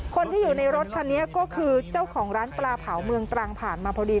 คนที่อยู่ในรถคันนี้ก็คือเจ้าของร้านปลาเผาเมืองตรังผ่านมาพอดี